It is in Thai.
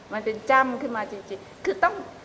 มันเป็นจ้ำขึ้นมาจริง